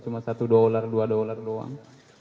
cuma satu dolar dua dolar doang